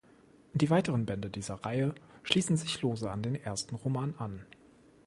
Die weiteren Bände dieser Reihe schließen sich lose an den ersten Roman an.